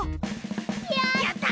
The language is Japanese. やった！